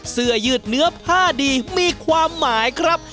เสื้อยืดเนื้อผ้าดีมีความหมายครับ